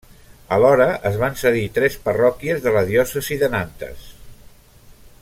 Alhora es van cedir tres parròquies de la diòcesi de Nantes.